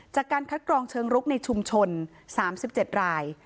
จากการคัดกรองเชิงรุกในชุมชน๓๗ราย